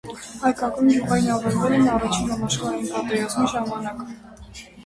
Հայկական գյուղերն ավերվել են առաջին համաշխարհային պատերազմի ժամանակ։